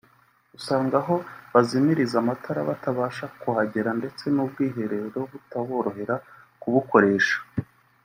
usanga aho bazimiriza amatara batabasha kuhagera ndetse n’ubwiherero butaborohera kubukoresha